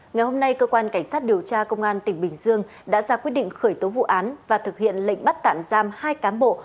ngày hôm nay cơ quan cảnh sát điều tra công an tỉnh bình dương đã ra quyết định khởi tố vụ án và thực hiện lệnh bắt tạm giam hai cám bộ